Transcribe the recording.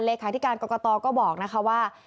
เลขาที่การกรกตก็บอกว่า